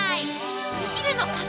できるのかな？